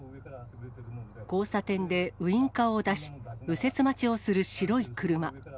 交差点でウインカーを出し、右折待ちをする白い車。